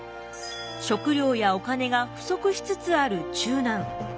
食料やお金が不足しつつある中難。